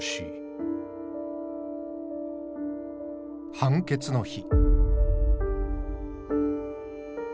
判決の日。